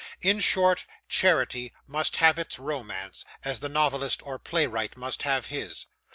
In short, charity must have its romance, as the novelist or playwright must have his.